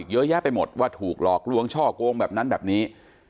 เยอะแยะไปหมดว่าถูกหลอกลวงช่อโกงแบบนั้นแบบนี้